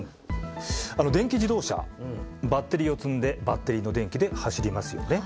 電気自動車バッテリーを積んでバッテリーの電気で走りますよね。